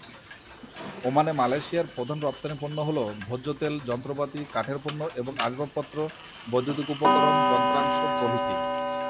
ওমানে, মালয়েশিয়ার প্রধান রপ্তানি পণ্য হল; ভোজ্য তেল, যন্ত্রপাতি, কাঠের পণ্য এবং আসবাবপত্র, বৈদ্যুতিক উপকরণ, যন্ত্রাংশ প্রভৃতি।